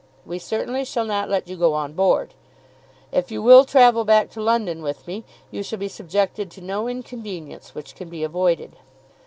We certainly shall not let you go on board. If you will travel back to London with me, you shall be subjected to no inconvenience which can be avoided."